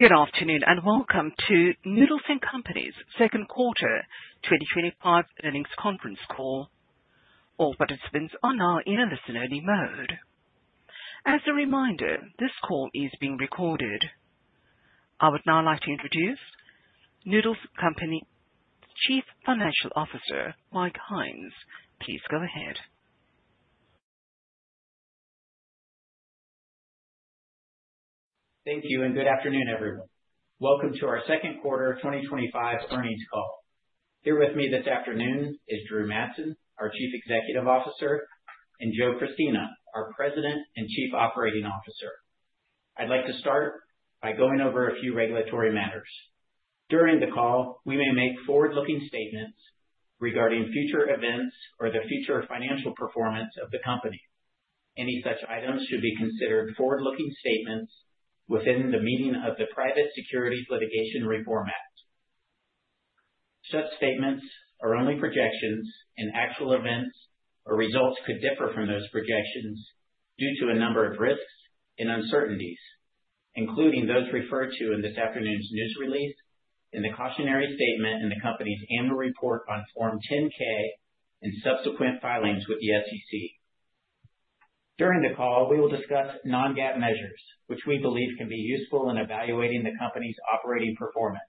Good afternoon and welcome to Noodles & Company's Second Quarter 2025 Earnings Conference Call. All participants are now in a listen-only mode. As a reminder, this call is being recorded. I would now like to introduce Noodles & Company's Chief Financial Officer, Mike Hynes. Please go ahead. Thank you and good afternoon, everyone. Welcome to our Second Quarter 2025 Earnings Conference Calll. Here with me this afternoon is Drew Madsen, our Chief Executive Officer, and Joe Christina, our President and Chief Operating Officer. I'd like to start by going over a few regulatory matters. During the call, we may make forward-looking statements regarding future events or the future financial performance of the company. Any such items should be considered forward-looking statements within the meaning of the Private Securities Litigation Reform Act. Such statements are only projections, and actual events or results could differ from those projections due to a number of risks and uncertainties, including those referred to in this afternoon's news release, in the cautionary statement, and the company's annual report on Form 10-K, and subsequent filings with the SEC. During the call, we will discuss non-GAAP measures, which we believe can be useful in evaluating the company's operating performance.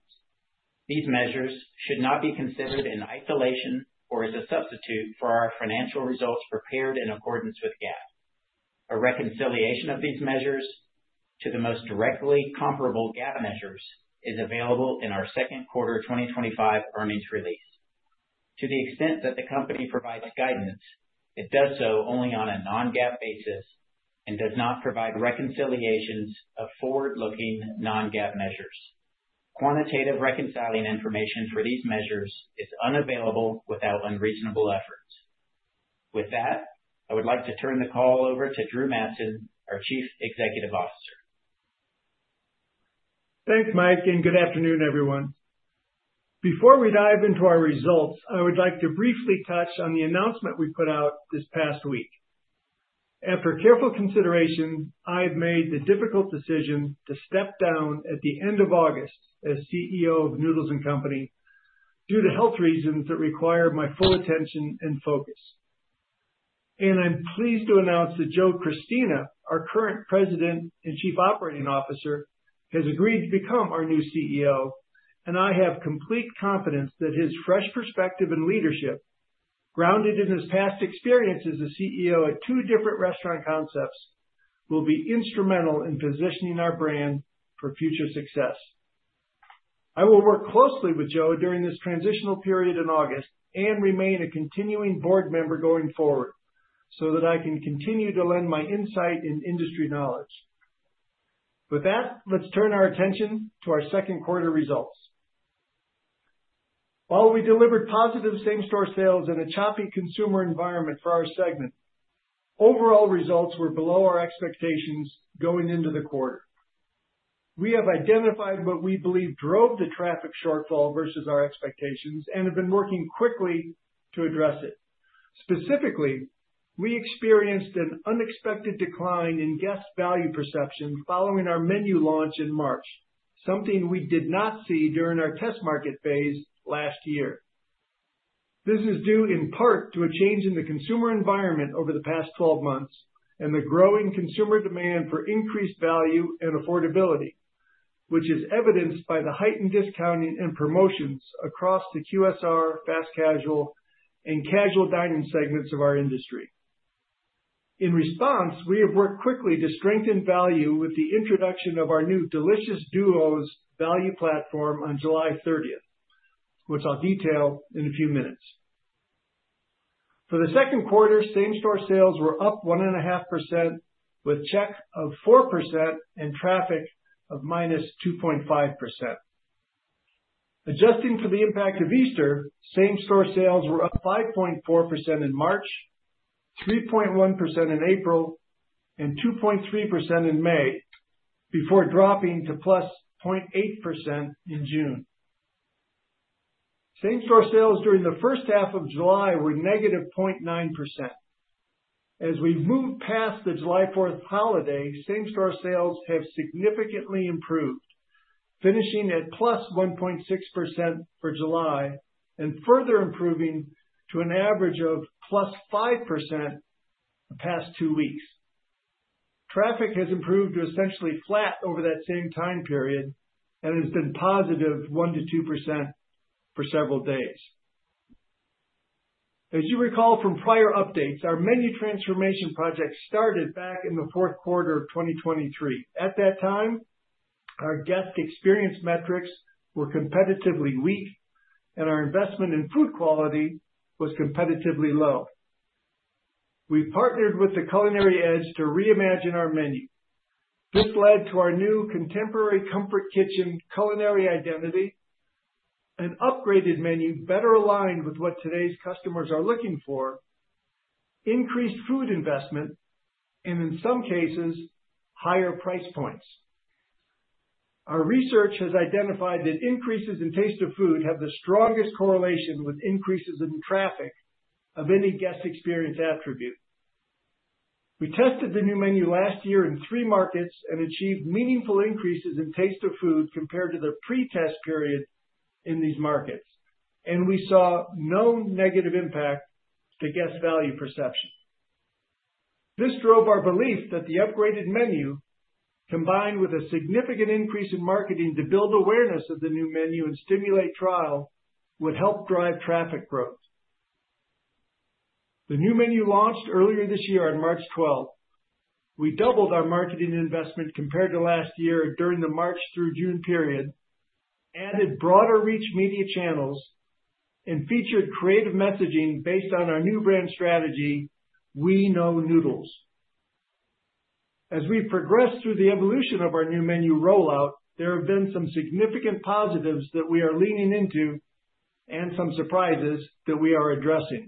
These measures should not be considered in isolation or as a substitute for our financial results prepared in accordance with GAAP. A reconciliation of these measures to the most directly comparable GAAP measures is available in our Second Quarter 2025 Earnings Release. To the extent that the company provides guidance, it does so only on a non-GAAP basis and does not provide reconciliations of forward-looking non-GAAP measures. Quantitative reconciling information for these measures is unavailable without unreasonable effort. With that, I would like to turn the call over to Drew Madsen, our Chief Executive Officer. Thanks, Mike, and good afternoon, everyone. Before we dive into our results, I would like to briefly touch on the announcement we put out this past week. After careful consideration, I have made the difficult decision to step down at the end of August as CEO of Noodles & Company due to health reasons that require my full attention and focus. I'm pleased to announce that Joe Christina, our current President and Chief Operating Officer, has agreed to become our new CEO, and I have complete confidence that his fresh perspective and leadership, grounded in his past experience as a CEO at two different restaurant concepts, will be instrumental in positioning our brand for future success. I will work closely with Joe during this transitional period in August and remain a continuing board member going forward so that I can continue to lend my insight and industry knowledge. With that, let's turn our attention to our second quarter results. While we delivered positive same-store sales in a choppy consumer environment for our segment, overall results were below our expectations going into the quarter. We have identified what we believe drove the traffic shortfall versus our expectations and have been working quickly to address it. Specifically, we experienced an unexpected decline in guest value perception following our menu launch in March, something we did not see during our test market phase last year. This is due in part to a change in the consumer environment over the past 12 months and the growing consumer demand for increased value and affordability, which is evidenced by the heightened discounting and promotions across the QSR, fast casual, and casual dining segments of our industry. In response, we have worked quickly to strengthen value with the introduction of our new Delicious Duos value platform on July 30th, which I'll detail in a few minutes. For the second quarter, same-store sales were up 1.5%, with check of 4% and traffic of -2.5%. Adjusting for the impact of Easter, same-store sales were up 5.4% in March, 3.1% in April, and 2.3% in May, before dropping to +0.28% in June. Same-store sales during the first half of July were -0.9%. As we've moved past the July 4th holiday, same-store sales have significantly improved, finishing at +1.6% for July and further improving to an average of +5% the past two weeks. Traffic has improved to essentially flat over that same time period and has been positive 1%-2% for several days. As you recall from prior updates, our menu transformation project started back in the fourth quarter of 2023. At that time, our guest experience metrics were competitively weak, and our investment in food quality was competitively low. We partnered with The Culinary Edge to reimagine our menu. This led to our new contemporary comfort kitchen culinary identity, an upgraded menu better aligned with what today's customers are looking for, increased food investment, and in some cases, higher price points. Our research has identified that increases in taste of food have the strongest correlation with increases in traffic of any guest experience attribute. We tested the new menu last year in three markets and achieved meaningful increases in taste of food compared to the pre-test period in these markets, and we saw no negative impact to guest value perception. This drove our belief that the upgraded menu, combined with a significant increase in marketing to build awareness of the new menu and stimulate trial, would help drive traffic growth. The new menu launched earlier this year on March 12, 2025. We doubled our marketing investment compared to last year during the March through June period, added broader reach media channels, and featured creative messaging based on our new brand strategy, We know noodles. As we've progressed through the evolution of our new menu rollout, there have been some significant positives that we are leaning into and some surprises that we are addressing.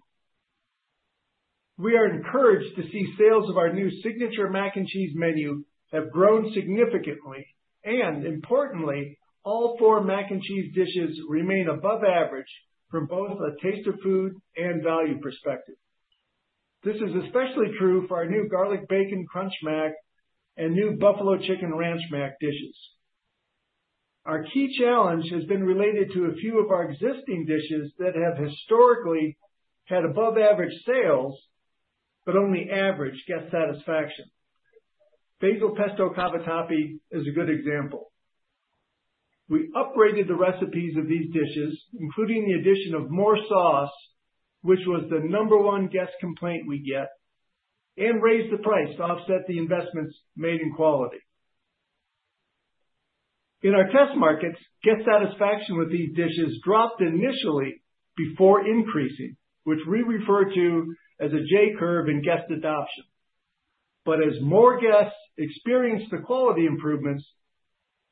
We are encouraged to see sales of our new signature Mac and Cheese menu have grown significantly, and importantly, all four Mac & Cheese dishes remain above average from both a taste of food and value perspective. This is especially true for our new Garlic Bacon Crunch Mac and new Buffalo Chicken Ranch Mac dishes. Our key challenge has been related to a few of our existing dishes that have historically had above-average sales, but only average guest satisfaction. Basil Pesto Cavatappi is a good example. We upgraded the recipes of these dishes, including the addition of more sauce, which was the number one guest complaint we get, and raised the price to offset the investments made in quality. In our test markets, guest satisfaction with these dishes dropped initially before increasing, which we refer to as a J-curve in guest adoption. As more guests experienced the quality improvements,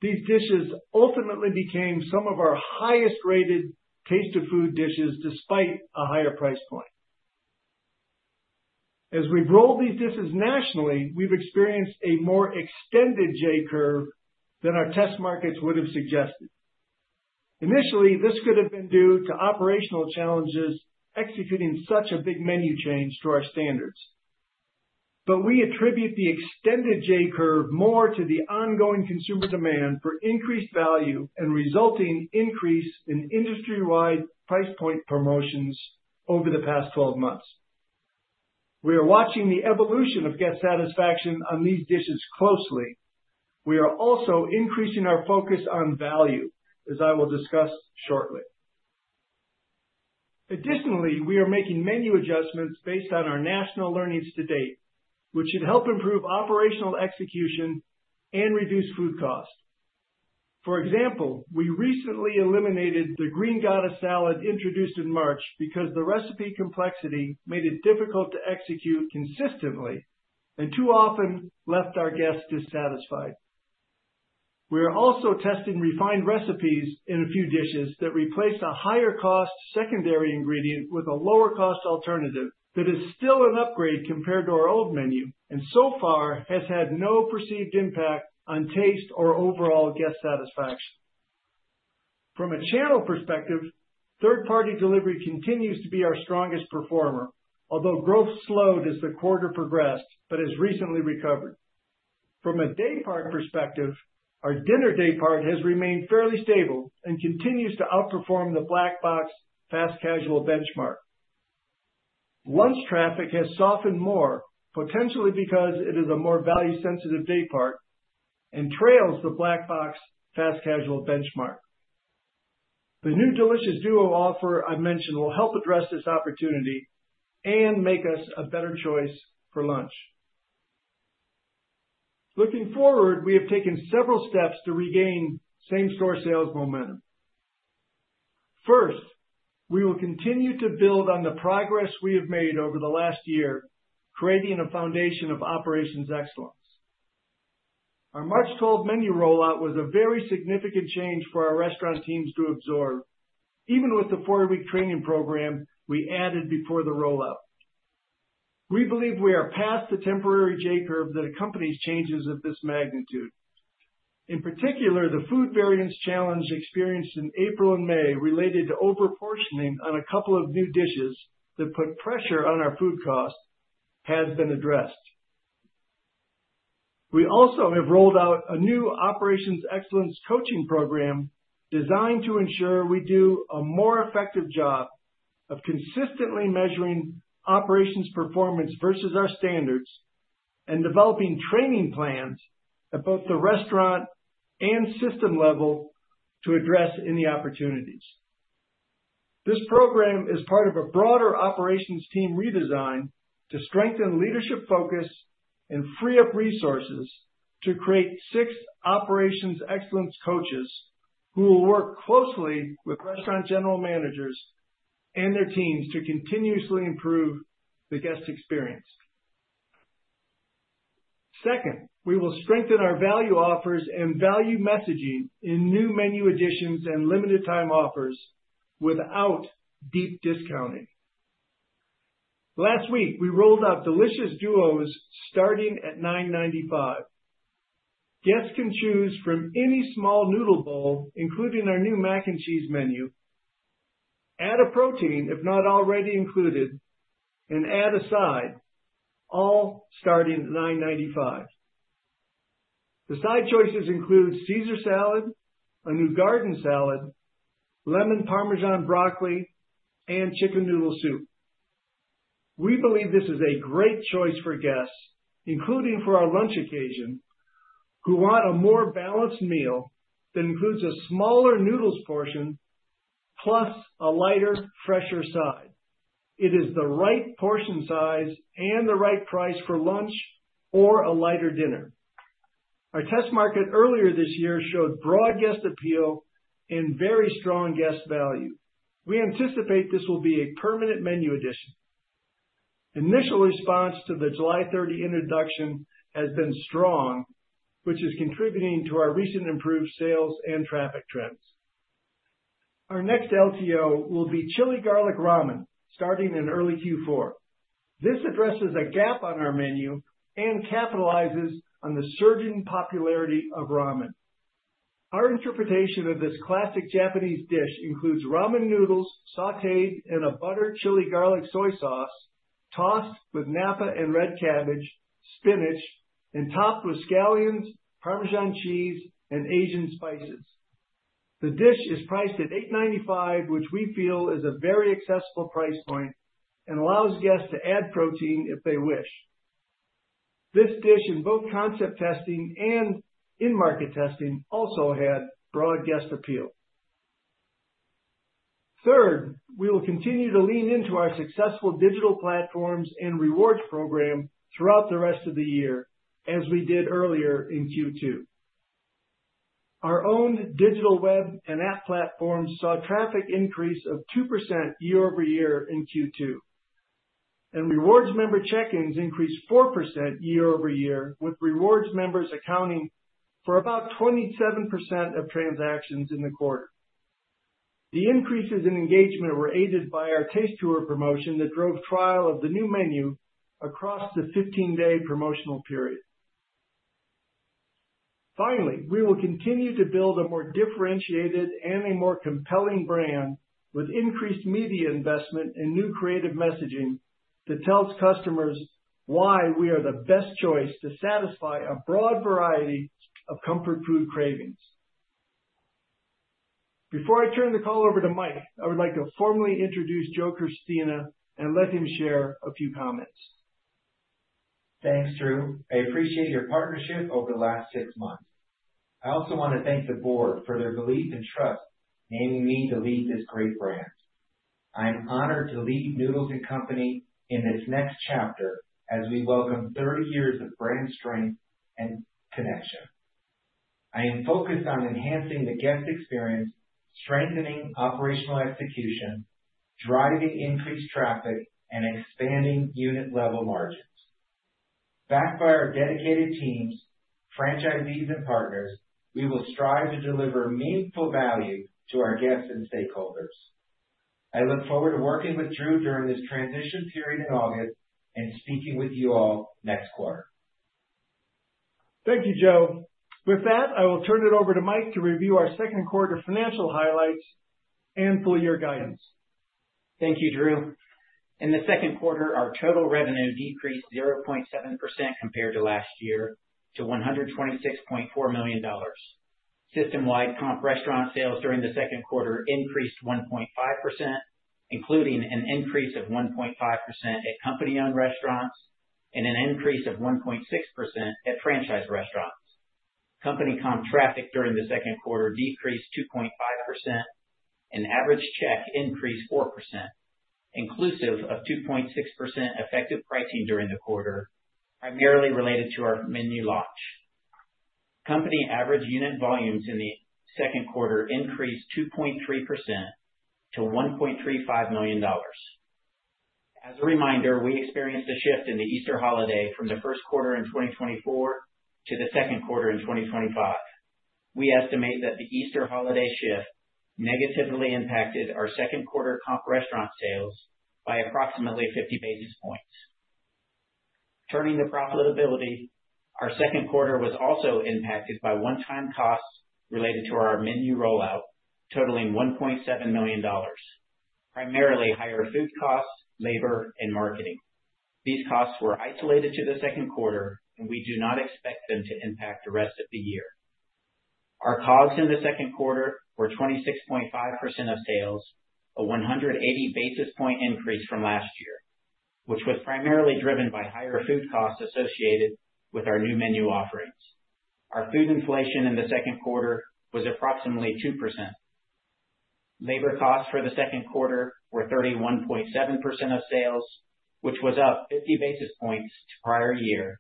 these dishes ultimately became some of our highest-rated taste of food dishes despite a higher price point. As we've rolled these dishes nationally, we've experienced a more extended J curve than our test markets would have suggested. Initially, this could have been due to operational challenges executing such a big menu change to our standards. We attribute the extended J-curve more to the ongoing consumer demand for increased value and resulting increase in industry-wide price point promotions over the past 12 months. We are watching the evolution of guest satisfaction on these dishes closely. We are also increasing our focus on value, as I will discuss shortly. Additionally, we are making menu adjustments based on our national learnings to date, which should help improve operational execution and reduce food costs. For example, we recently eliminated the Green Goddess Salad introduced in March because the recipe complexity made it difficult to execute consistently and too often left our guests dissatisfied. We are also testing refined recipes in a few dishes that replace a higher-cost secondary ingredient with a lower-cost alternative that is still an upgrade compared to our old menu and so far has had no perceived impact on taste or overall guest satisfaction. From a channel perspective, third-party delivery continues to be our strongest performer, although growth slowed as the quarter progressed but has recently recovered. From a day part perspective, our dinner day part has remained fairly stable and continues to outperform the black box fast casual benchmark. Lunch traffic has softened more, potentially because it is a more value-sensitive day part and trails the black box fast casual benchmark. The new Delicious Duos offer I mentioned will help address this opportunity and make us a better choice for lunch. Looking forward, we have taken several steps to regain same-store sales momentum. First, we will continue to build on the progress we have made over the last year, creating a foundation of operations excellence. Our March 12th menu rollout was a very significant change for our restaurant teams to absorb, even with the four-week training program we added before the rollout. We believe we are past the temporary J-curve that accompanies changes of this magnitude. In particular, the food variance challenge experienced in April and May related to overportioning on a couple of new dishes that put pressure on our food costs has been addressed. We also have rolled out a new Operations Excellence Coaching Program designed to ensure we do a more effective job of consistently measuring operations performance versus our standards and developing training plans at both the restaurant and system level to address any opportunities. This program is part of a broader operations team redesign to strengthen leadership focus and free up resources to create six Operations Excellence Coaches who will work closely with restaurant general managers and their teams to continuously improve the guest experience. Second, we will strengthen our value offers and value messaging in new menu additions and limited-time offers without deep discounting. Last week, we rolled out Delicious Duos starting at $9.95. Guests can choose from any small noodle bowl, including our new Mac & Cheese menu, add a protein if not already included, and add a side, all starting at $9.95. The side choices include Caesar salad, a new garden salad, lemon parmesan broccoli, and chicken noodle soup. We believe this is a great choice for guests, including for our lunch occasion, who want a more balanced meal that includes a smaller noodles portion plus a lighter, fresher side. It is the right portion size and the right price for lunch or a lighter dinner. Our test market earlier this year showed broad guest appeal and very strong guest value. We anticipate this will be a permanent menu addition. Initial response to the July 30 introduction has been strong, which is contributing to our recent improved sales and traffic trends. Our next LTO will be chili garlic ramen, starting in early Q4. This addresses a gap on our menu and capitalizes on the surging popularity of ramen. Our interpretation of this classic Japanese dish includes ramen noodles, sautéed in a butter chili garlic soy sauce, tossed with napa and red cabbage, spinach, and topped with scallions, parmesan cheese, and Asian spices. The dish is priced at $8.95, which we feel is a very accessible price point and allows guests to add protein if they wish. This dish, in both concept testing and in-market testing, also had broad guest appeal. Third, we will continue to lean into our successful digital platforms and rewards program throughout the rest of the year, as we did earlier in Q2. Our own digital web and app platforms saw a traffic increase of 2% year-over-year in Q2, and rewards member check-ins increased 4% year-over-year, with rewards members accounting for about 27% of transactions in the quarter. The increases in engagement were aided by our taste tour promotion that drove trial of the new menu across the 15-day promotional period. Finally, we will continue to build a more differentiated and a more compelling brand with increased media investment and new creative messaging that tells customers why we are the best choice to satisfy a broad variety of comfort food cravings. Before I turn the call over to Mike, I would like to formally introduce Joe Christina and let him share a few comments. Thanks, Drew. I appreciate your partnership over the last six months. I also want to thank the Board for their belief and trust in having me to lead this great brand. I am honored to lead Noodles & Company in this next chapter as we welcome 30 years of brand strength and connection. I am focused on enhancing the guest experience, strengthening operational execution, driving increased traffic, and expanding unit-level margins. Back fire by our dedicated teams, franchisees, and partners, we will strive to deliver meaningful value to our guests and stakeholders. I look forward to working with Drew during this transition period in August and speaking with you all next quarter. Thank you, Joe. With that, I will turn it over to Mike to review our second quarter financial highlights and full-year guidance. Thank you, Drew. In the second quarter, our total revenue decreased 0.7% compared to last year to $126.4 million. System-wide comparable restaurant sales during the second quarter increased 1.5%, including an increase of 1.5% at company-owned restaurants and an increase of 1.6% at franchise restaurants. Company comparable traffic during the second quarter decreased 2.5%, and average check increased 4%, inclusive of 2.6% effective pricing during the quarter, primarily related to our menu launch. Company average unit volumes in the second quarter increased 2.3% to $1.35 million. As a reminder, we experienced a shift in the Easter holiday from the first quarter in 2024 to the second quarter in 2025. We estimate that the Easter holiday shift negatively impacted our second quarter comparable restaurant sales by approximately 50 basis points. Turning to profitability, our second quarter was also impacted by one-time costs related to our menu rollout, totaling $1.7 million, primarily higher food costs, labor, and marketing. These costs were isolated to the second quarter, and we do not expect them to impact the rest of the year. Our costs in the second quarter were 26.5% of sales, a 180 basis point increase from last year, which was primarily driven by higher food costs associated with our new menu offerings. Our food inflation in the second quarter was approximately 2%. Labor costs for the second quarter were 31.7% of sales, which was up 50 basis points from prior year,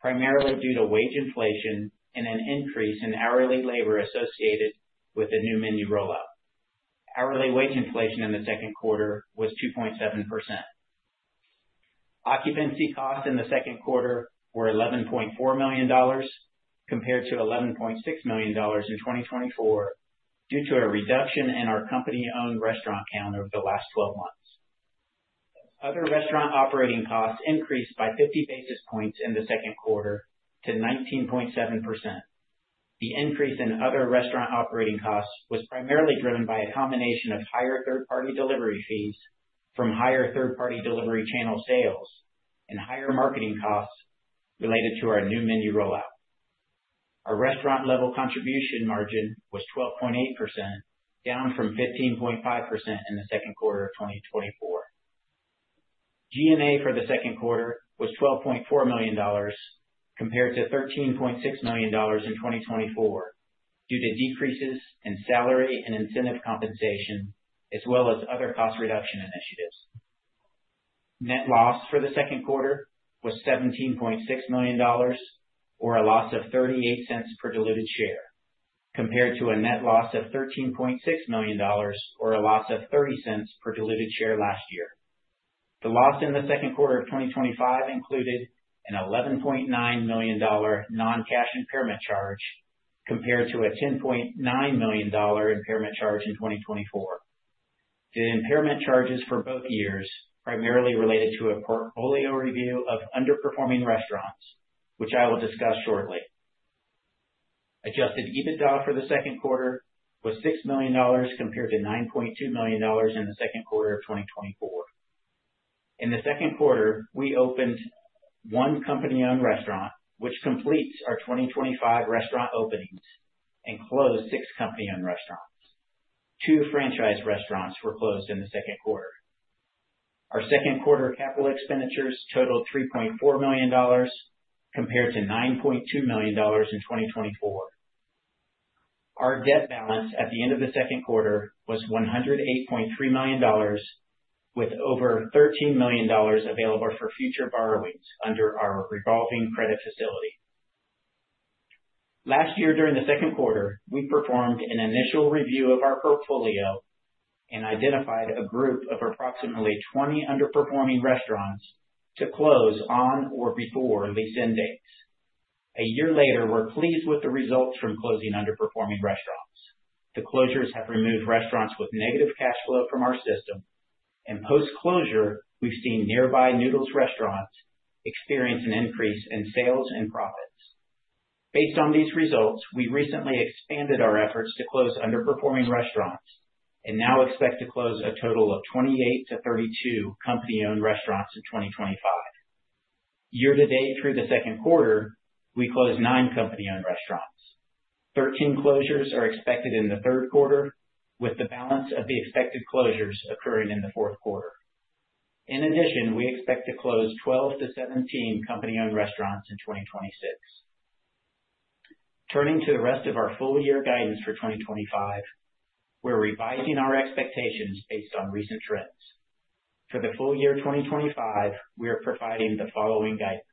primarily due to wage inflation and an increase in hourly labor associated with the new menu rollout. Hourly wage inflation in the second quarter was 2.7%. Occupancy costs in the second quarter were $11.4 million compared to $11.6 million in 2024 due to a reduction in our company-owned restaurant count over the last 12 months. Other restaurant operating costs increased by 50 basis points in the second quarter to 19.7%. The increase in other restaurant operating costs was primarily driven by a combination of higher third-party delivery fees from higher third-party delivery channel sales and higher marketing costs related to our new menu rollout. Our restaurant-level contribution margin was 12.8%, down from 15.5% in the second quarter of 2024. G&A for the second quarter was $12.4 million compared to $13.6 million in 2024 due to decreases in salary and incentive compensation, as well as other cost reduction initiatives. Net loss for the second quarter was $17.6 million, or a loss of $0.38 per diluted share, compared to a net loss of $13.6 million, or a loss of $0.30 per diluted share last year. The loss in the second quarter of 2025 included an $11.9 million non-cash impairment charge, compared to a $10.9 million impairment charge in 2024. The impairment charges for both years primarily related to a portfolio review of underperforming restaurants, which I will discuss shortly. Adjusted EBITDA for the second quarter was $6 million, compared to $9.2 million in the second quarter of 2024. In the second quarter, we opened one company-owned restaurant, which completes our 2025 restaurant openings, and closed six company-owned restaurants. Two franchise restaurants were closed in the second quarter. Our second quarter capital expenditures totaled $3.4 million, compared to $9.2 million in 2024. Our debt balance at the end of the second quarter was $108.3 million, with over $13 million available for future borrowings under our revolving credit facility. Last year, during the second quarter, we performed an initial review of our portfolio and identified a group of approximately 20 underperforming restaurants to close on or before lease end dates. A year later, we're pleased with the results from closing underperforming restaurants. The closures have removed restaurants with negative cash flow from our system, and post-closure, we've seen nearby Noodles restaurants experience an increase in sales and profits. Based on these results, we recently expanded our efforts to close underperforming restaurants and now expect to close a total of 28 -32 company-owned restaurants in 2025. Year to date through the second quarter, we closed nine company-owned restaurants. Thirteen closures are expected in the third quarter, with the balance of the expected closures occurring in the fourth quarter. In addition, we expect to close 12-17 company-owned restaurants in 2026. Turning to the rest of our full-year guidance for 2025, we're revising our expectations based on recent trends. For the full year 2025, we are providing the following guidance: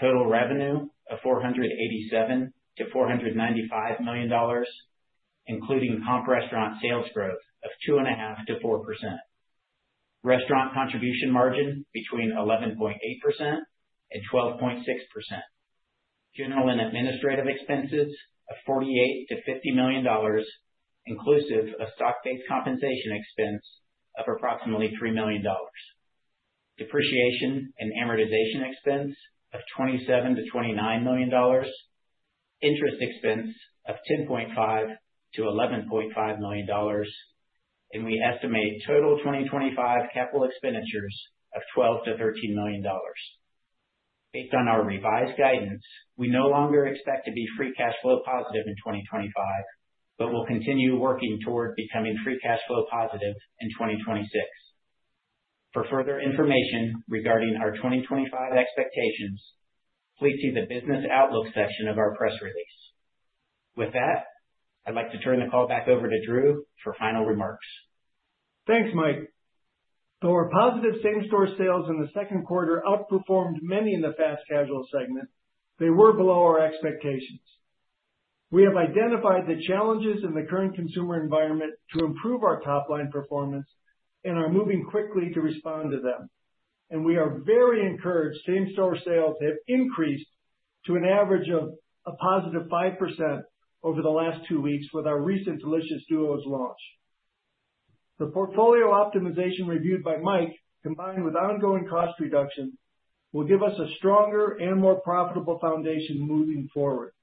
total revenue of $487 million-$495 million, including comp restaurant sales growth of 2.5% to 4%, restaurant contribution margin between 11.8% and 12.6%, general and administrative expenses of $48 million-$50 million, inclusive of stock-based compensation expense of approximately $3 million, depreciation and amortization expense of $27 million-$29 million, interest expense of $10.5 million-$11.5 million, and we estimate total 2025 capital expenditures of $12 million-$13 million. Based on our revised guidance, we no longer expect to be free cash flow positive in 2025, but we'll continue working toward becoming free cash flow positive in 2026. For further information regarding our 2025 expectations, please see the Business Outlook section of our press release. With that, I'd like to turn the call back over to Drew for final remarks. Thanks, Mike. Though our positive same-store sales in the second quarter outperformed many in the fast casual segment, they were below our expectations. We have identified the challenges in the current consumer environment to improve our top-line performance, and are moving quickly to respond to them. We are very encouraged same-store sales have increased to an average of a positive 5% over the last two weeks with our recent Delicious Duos launch. The portfolio optimization reviewed by Mike, combined with ongoing cost reduction, will give us a stronger and more profitable foundation moving forward.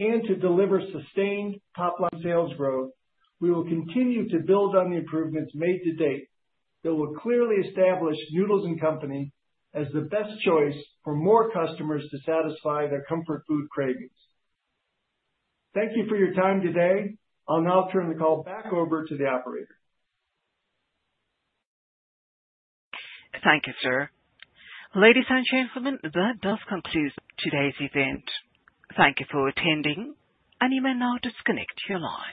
To deliver sustained top-line sales growth, we will continue to build on the improvements made to date that will clearly establish Noodles & Company as the best choice for more customers to satisfy their comfort food cravings. Thank you for your time today. I'll now turn the call back over to the operator. Thank you, sir. Ladies and gentlemen, that does conclude today's event. Thank you for attending, and you may now disconnect your line.